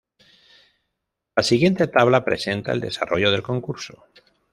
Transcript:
La siguiente tabla presenta el desarrollo del concurso.